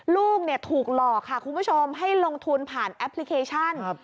ลูกถูกหลอกค่ะคุณผู้ชมให้ลงทุนผ่านแอปพลิเคชัน